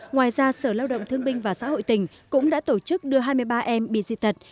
ngoài ra sở lao động thương binh và xã hội tỉnh cũng đã tổ chức đưa hai mươi ba em bị dị tật